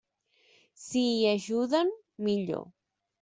Si hi ajuden, millor.